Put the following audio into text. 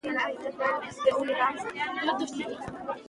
ازادي راډیو د د مخابراتو پرمختګ په اړه د محلي خلکو غږ خپور کړی.